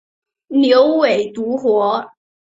牛尾独活